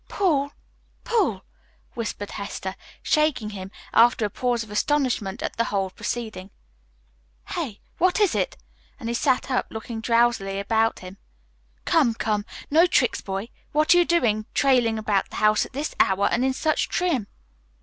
"Paul! Paul!" whispered Hester, shaking him, after a pause of astonishment at the whole proceeding. "Hey, what is it?" And he sat up, looking drowsily about him. "Come, come, no tricks, boy. What are you doing, trailing about the house at this hour and in such trim?"